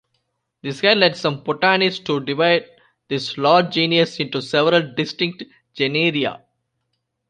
This has led some botanists to divide this large genus into several distinct genera.